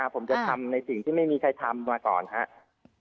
ผมจะทำในสิ่งที่ไม่มีใครทำมาก่อนครับ